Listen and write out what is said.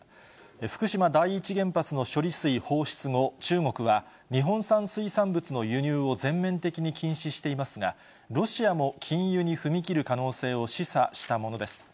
福島第一原発の処理水放出後、中国は、日本産水産物の輸入を全面的に禁止していますが、ロシアも禁輸に踏み切る可能性を示唆したものです。